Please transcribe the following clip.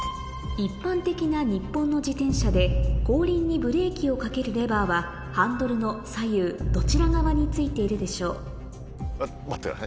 一般的な日本の自転車で後輪にブレーキをかけるレバーはハンドルの左右どちら側に付いているでしょう？